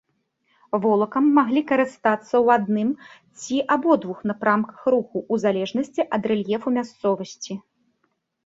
Волакам маглі карыстацца ў адным ці абодвух напрамках руху, у залежнасці ад рэльефу мясцовасці.